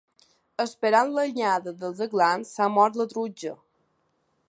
Esperant l'anyada dels aglans s'ha mort la truja.